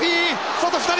外２人！